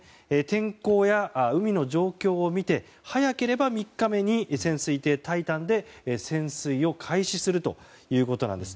天候や海の状況を見て早ければ３日目に潜水艇「タイタン」で潜水を開始するということなんです。